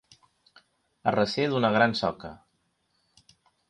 A recer d'una gran soca.